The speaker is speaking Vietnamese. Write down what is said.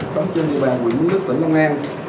đóng trên địa bàn huyện bến lức tỉnh đông an